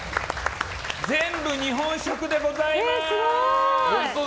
全部、日本食でございます！